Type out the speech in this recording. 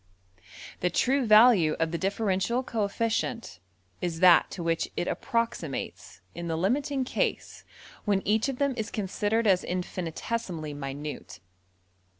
The true value of the differential coefficient is that to which it approximates in the limiting case when each of them is considered as infinitesimally minute.